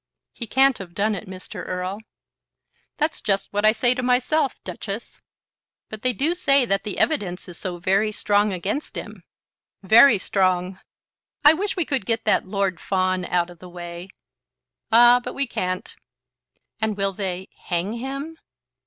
"He can't have done it, Mr. Erle." "That's just what I say to myself, Duchess." "But they do say that the evidence is so very strong against him." "Very strong." "I wish we could get that Lord Fawn out of the way." "Ah; but we can't." "And will they hang him?"